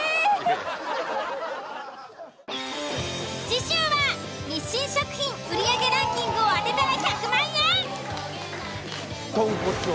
次週は「日清食品」売り上げランキングを当てたら１００万円。